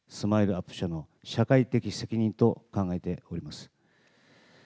ーＵＰ．社の社会的責任と考えております。